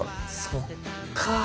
そっかぁ。